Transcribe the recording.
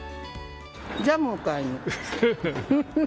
ジャムを買いに。